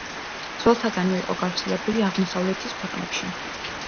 ძველთაგანვე იყო გავრცელებული აღმოსავლეთის ქვეყნებში.